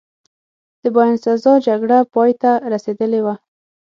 د باینسزا جګړه پایته رسېدلې وه.